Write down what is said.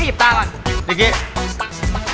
ที่กูพี่วิ่งจริงขยิบตาก่อน